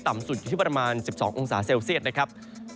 สุดอยู่ที่ประมาณ๑๒องศาเซลเซียตนะครับ